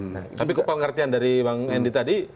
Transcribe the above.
tapi kepengertian dari bang hendy tadi